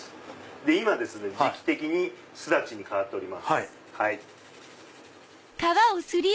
今時期的にスダチに替わっております。